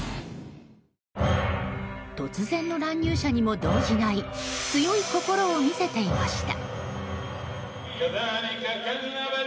突然の乱入者にも動じない強い心を見せていました。